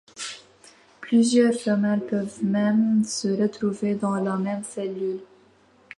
Plusieurs femelles peuvent même se retrouver dans la même cellule.